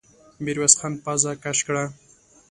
ميرويس خان پزه کش کړه.